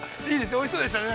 おいしそうでしたね。